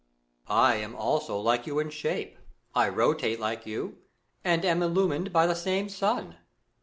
Moon. I am also like you in shape, I rotate like you, and am illumined by the same sun.